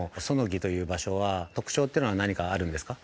彼杵という場所は、特徴ってのは何かあるんですか。